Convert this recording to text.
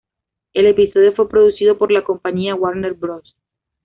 El episodio fue producido por la compañía Warner Bros.